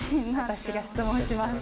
私が質問します。